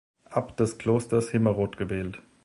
Abt des Klosters Himmerod gewählt.